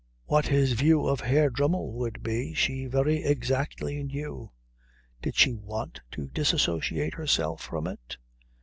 What his view of Herr Dremmel would be she very exactly knew. Did she want to disassociate herself from it?